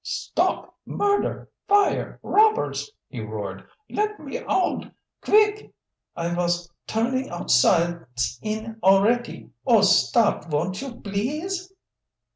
"Stop! Murder! Fire! Robbers!" he roared. "Let me owid, kvick! I vos turning outsides in alretty! Oh, stop, von't you, blease!"